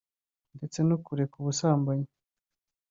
ndetse no kureka ubusambanyi